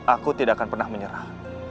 aku tidak akan pernah menyerah